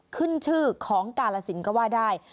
ขึ้นชื่อของกาลสินก็ว่าได้